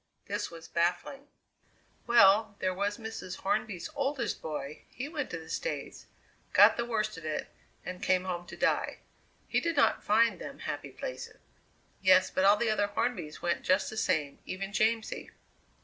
This was baffling. "Well, there was Mrs. Hornby's oldest boy, he went to the States, got the worst of it, and came home to die. He did not find them happy places." "Yes, but all the other Hornbys went just the same, even Jamsie.